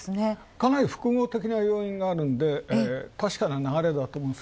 かなり複合的な要因があるんで、たしかな流れだと思うんです。